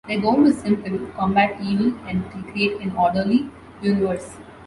Their goal was simple: combat evil and create an orderly universe.